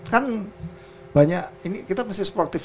kan banyak ini kita mesti sportif